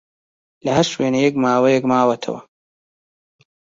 لە ھەر شوێنێک ماوەیەک ماوەتەوە